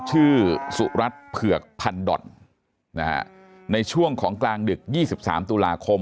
ชื่อสุรัสเผือกพันด่อนในช่วงของกลางดึก๒๓ตุลาคม